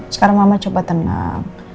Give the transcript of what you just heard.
sekarang mama coba tenang